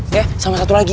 ya sama satu lagi